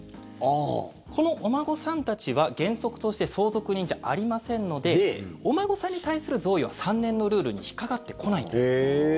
このお孫さんたちは、原則として相続人じゃありませんのでお孫さんに対する贈与は３年のルールに引っかかってこないんです。